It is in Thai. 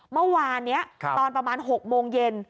เมื่อวานนี้ตอนประมาณ๖โมงเย็น